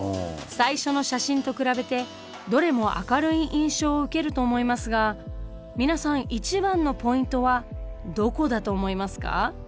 最初の写真と比べてどれも明るい印象を受けると思いますが皆さん一番のポイントはどこだと思いますか？